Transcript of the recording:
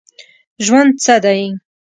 ژوند څه دی ؟